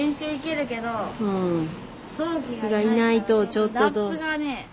がいないとちょっと。